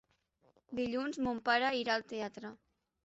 Dilluns mon pare irà al teatre.